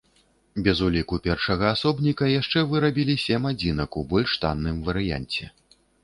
Без уліку першага асобніка, яшчэ вырабілі сем адзінак у больш танным варыянце.